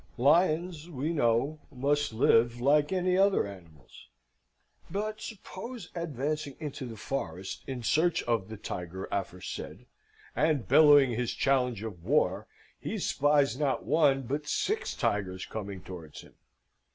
Lions, we know, must live like any other animals. But suppose, advancing into the forest in search of the tiger aforesaid, and bellowing his challenge of war, he espies not one but six tigers coming towards him?